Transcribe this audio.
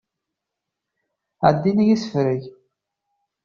Ɛeddi nnig isefreg.